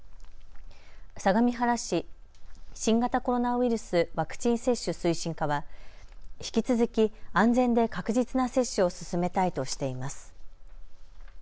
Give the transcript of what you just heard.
相模原市新型コロナウイルスワクチン接種推進課は引き続き安全で確実な接種を進めたいとしています。